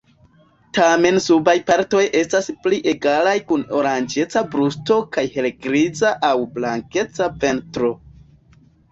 Tamen subaj partoj estas pli egalaj kun oranĝeca brusto kaj helgriza aŭ blankeca ventro.